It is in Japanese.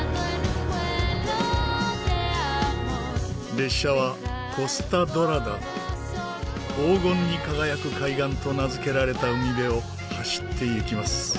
列車はコスタ・ドラダ黄金に輝く海岸と名付けられた海辺を走ってゆきます。